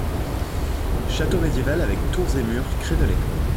Château médiéval avec tours et murs crénelés.